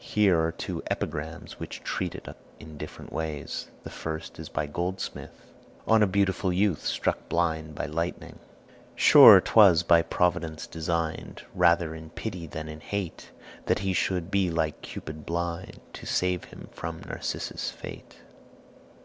Here are two epigrams which treat it in different ways. The first is by Goldsmith: "ON A BEAUTIFUL YOUTH, STRUCK BLIND BY LIGHTNING "Sure 'twas by Providence designed, Rather in pity than in hate, That he should be like Cupid blind, To save him from Narcissus' fate."